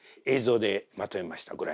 映像でまとめました。